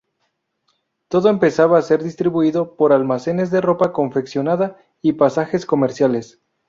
Todo empezaba a ser distribuido por almacenes de ropa confeccionada y pasajes comerciales.